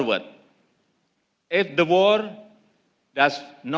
akan sulit bagi dunia